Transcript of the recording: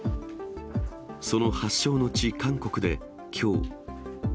その発祥の地、韓国できょう。